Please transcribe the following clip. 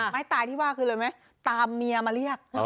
ไม้ตายที่ว่าคืออะไรไหมตามเมียมาเรียก